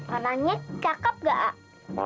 anaknya cakep nggak ah